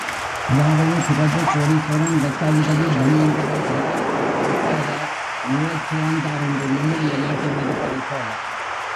அதாவது, பிரபு, கோடீஸ்வரன், லட்சாதிபதி, ஜமீன்தார், மிராஸ்தார், மிட்டாதார், நிலச்சுவான்தார் என்று நம்முடைய நாட்டிலிருப்பதைப் போல.